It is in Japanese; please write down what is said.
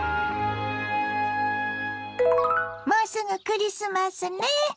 もうすぐクリスマスね。